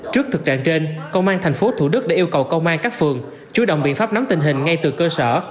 trước thực trạng trên công an tp thủ đức đã yêu cầu công an các phường chú động biện pháp nắm tình hình ngay từ cơ sở